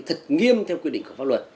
thật nghiêm theo quy định của pháp luật